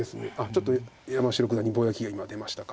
ちょっと山城九段にぼやきが今出ましたか。